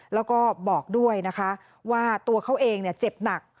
แล้วก็บอกด้วยนะคะว่าตัวเขาเองเจ็บหนัก